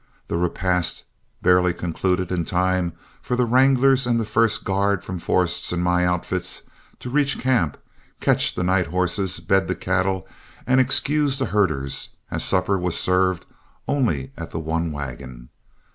The repast barely concluded in time for the wranglers and first guard from Forrest's and my outfit to reach camp, catch night horses, bed the cattle, and excuse the herders, as supper was served only at the one wagon.